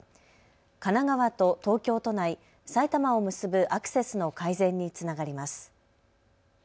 神奈川と東京都内、埼玉を結ぶアクセスの改善につながります。